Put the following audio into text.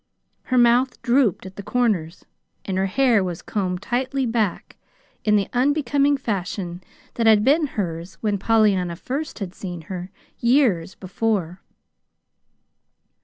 Her mouth drooped at the corners, and her hair was combed tightly back in the unbecoming fashion that had been hers when Pollyanna first had seen her, years before.